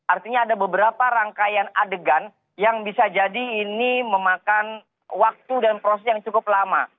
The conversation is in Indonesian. artinya ada beberapa rangkaian adegan yang bisa jadi ini memakan waktu dan proses yang cukup lama